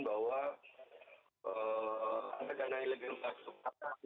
bahwa ada dana eleganca